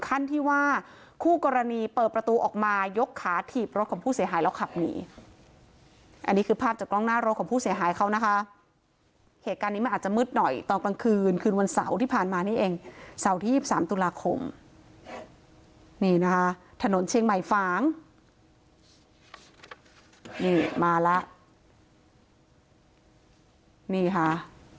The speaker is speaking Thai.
อันนี้คือภาพจากกล้องหน้าโรคของผู้เสียหายเขานะคะเหตุการณ์นี้มันอาจจะมืดหน่อยตอนกลางคืนคืนวันเสาร์ที่ผ่านมานี่เองเสาร์ที่ยิบสามตุลาคมนี่นะคะถนนเชียงใหม่ฟ้างนี่มาแล้วนี่ค่ะ